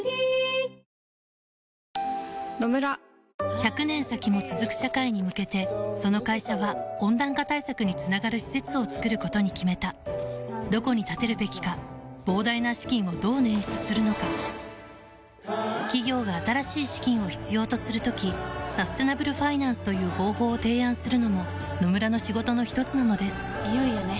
１００年先も続く社会に向けてその会社は温暖化対策につながる施設を作ることに決めたどこに建てるべきか膨大な資金をどう捻出するのか企業が新しい資金を必要とする時サステナブルファイナンスという方法を提案するのも野村の仕事のひとつなのですいよいよね。